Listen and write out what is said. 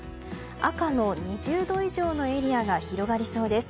赤の２０度以上のエリアが広がりそうです。